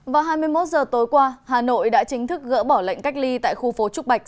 vào hai mươi một giờ tối qua hà nội đã chính thức gỡ bỏ lệnh cách ly tại khu phố trúc bạch